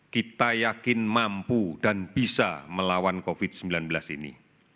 kita yakin mampu dan bisa melawan covid sembilan belas ini